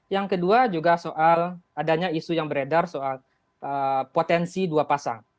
yang kedua juga soal adanya isu yang beredar soal potensi dua pasang